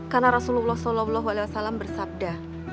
karena rasulullah saw bersabda